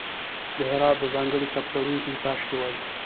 د هرات د ځانګړی سبک لرونکی کاشي وې.